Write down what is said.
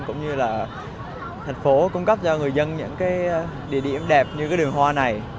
cũng như là thành phố cung cấp cho người dân những cái địa điểm đẹp như cái đường hoa này